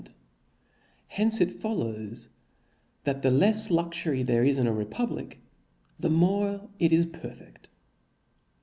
Ti^Pt; hence it follows, that the lefs luxury there i$ in a republic, the more it is perfeft.